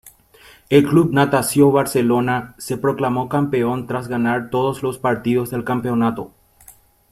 El Club Natació Barcelona se proclamó campeón tras ganar todos los partidos del campeonato.